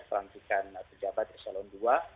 pelantikan pejabat di salon dua